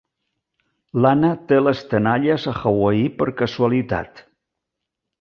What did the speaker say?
L'Anna té les tenalles a Hawaii per casualitat.